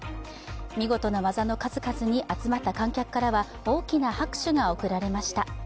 見事な技の数々に集まった観客からは大きな拍手が送られました。